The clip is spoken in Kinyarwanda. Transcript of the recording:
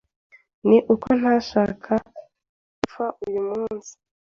Ni uko ntashaka gupfa uyu munsi.